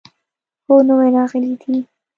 هو، نوي راغلي دي